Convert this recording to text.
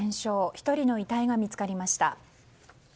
１人の遺体が見つかりました。